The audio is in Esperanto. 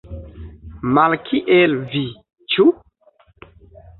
Malkiel vi, ĉu?